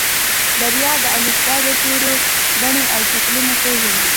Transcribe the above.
بريا د الفبا د تورو بڼې او شکلونه پېژني.